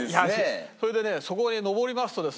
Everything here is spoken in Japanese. それでねそこに上りますとですね